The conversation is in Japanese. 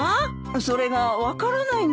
それが分からないんだよ。